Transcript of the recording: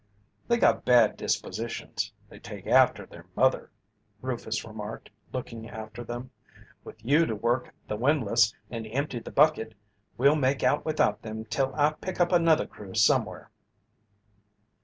"They got bad dispositions they take after their mother," Rufus remarked, looking after them. "With you to work the windlass and empty the bucket we'll make out without them till I pick up another crew somewhere."